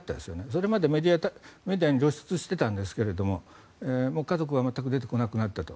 それまでメディアに露出していたんですが家族は全く出てこなくなったと。